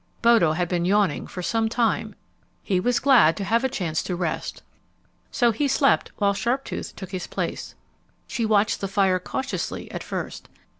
Bodo had been yawning for some time. He was glad to have a chance to rest. So he slept while Sharptooth took his place. She watched the fire cautiously at first.